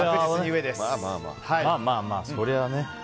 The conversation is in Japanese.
まあまあ、それはね。